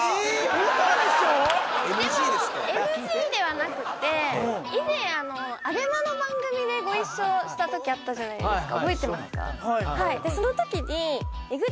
ウソでしょでもＮＧではなくて以前ＡＢＥＭＡの番組でご一緒したときあったじゃないですか